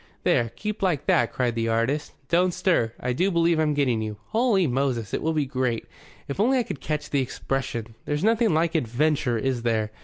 "There, keep like that," cried the artist. "Don't stir. I do believe I'm getting you. Holy Moses, it will be great! If only I could catch the expression! There's nothing like adventure, is there?